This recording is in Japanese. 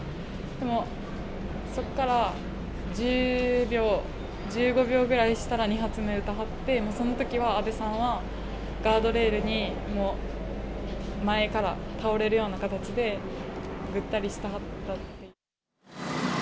でも、そっから１０秒、１５秒ぐらいしたら、２発目うたはって、そのときは安倍さんはガードレールにもう前から倒れるような形で、ぐったりしてはった。